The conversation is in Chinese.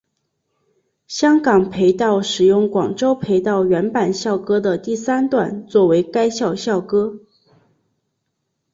香港培道使用广州培道原版校歌的第三段作为该校校歌。